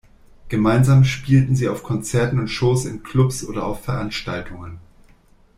Gemeinsam spielten sie auf Konzerten und Shows in Clubs oder auf Veranstaltungen.